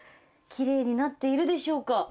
キレイになっているでしょうか？